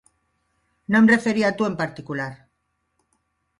No em referia a tu en particular.